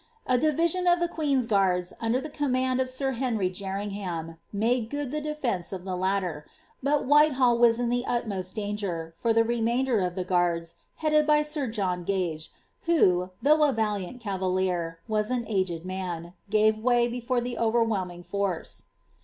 A dhriaioQ of the queca^ goanU, nnder the command of air Heniy Jeraingfaam, mide good the defence of the latter; but Whitehall waa in the ntmoat danger, for the ranainder of the gnardaiheaded Jiy air John Ch^, who(thoogh a valiut cavalier) waa an aged man, gave way before the oyerwhdming foroe.